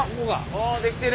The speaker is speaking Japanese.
あできてる。